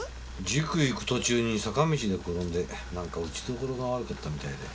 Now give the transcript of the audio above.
塾に行く途中に坂道で転んでなんか打ち所が悪かったみたいで。